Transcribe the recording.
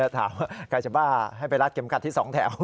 ถามว่าใครจะบ้าให้ไปรัดเข็มกัดที่๒แถว